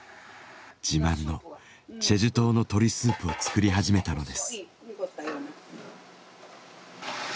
自慢のチェジュ島の鶏スープを作り始めたのです。